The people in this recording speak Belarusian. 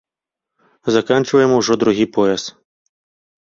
Заканчваем ужо другі пояс.